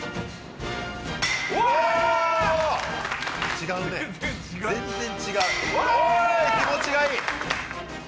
違うね全然違う全然違う気持ちがいい！